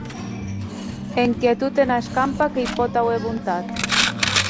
Enquia e tot ena escampa que i pòt auer bontat.